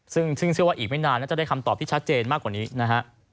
ซึ่งเชื่อว่าอีกไม่นานน่าจะได้คำตอบที่ชัดเจนมากกว่านี้นะฮะ